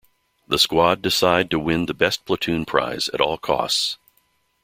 The squad decide to win the best platoon prize at all costs.